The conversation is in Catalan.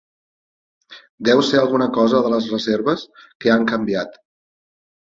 Deu ser alguna cosa de les reserves que han canviat.